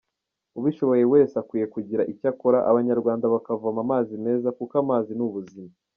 Ubishoboye wese akwiye kugira icyo akora, Abanyarwanda bakavoma amazi meza, kuko amazi ni ubuzima.